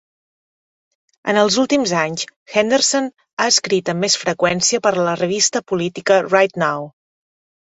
En els últims anys, Henderson ha escrit amb més freqüència per a la revista política "Right Now!".